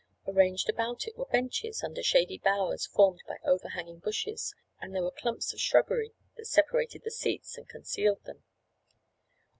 Arranged about it were benches, under shady bowers formed by overhanging bushes, and there were clumps of shrubbery that separated the seats, and concealed them.